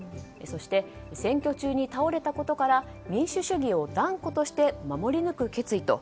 そして、選挙中に倒れたことから民主主義を断固として守り抜く決意と。